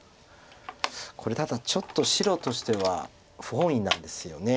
これただちょっと白としては不本意なんですよね。